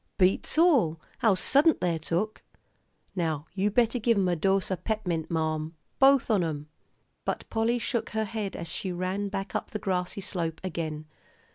"Beats all, how suddint they're took. Now you better give 'em a dose o' pep'mint, marm, both on 'em." But Polly shook her head as she ran back up the grassy slope again.